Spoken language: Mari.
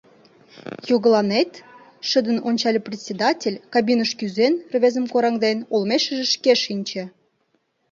Йогыланет? — шыдын ончале председатель, кабиныш кӱзен, рвезым кораҥден, олмешыже шке шинче.